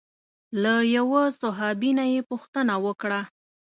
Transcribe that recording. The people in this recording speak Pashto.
له یوه صحابي نه یې پوښتنه وکړه.